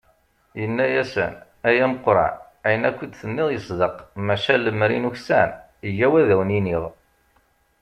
Yenna-asen: "Ay ameqqran, ayen akk i d-tenniḍ yesdeq, maca lemmer i nuksan, yyaw ad awen-iniɣ."